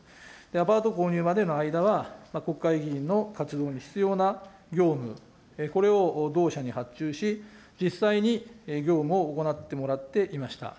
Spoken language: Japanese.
アパート購入までの間は、国会議員の活動に必要な業務、これを同社に発注し、実際に業務を行ってもらっていました。